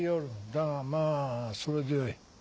だがなぁそれでよい。